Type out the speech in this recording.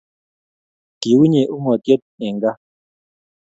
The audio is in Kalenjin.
Kiuny'e ung'otiet eng kaa